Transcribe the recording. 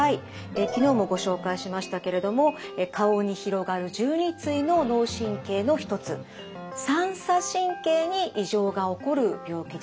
昨日もご紹介しましたけれども顔に広がる１２対の脳神経の一つ三叉神経に異常が起こる病気です。